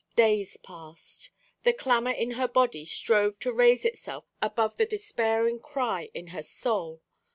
Days passed. The clamour in her body strove to raise itself above the despairing cry in her soul.